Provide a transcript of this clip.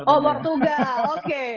oh portugal oke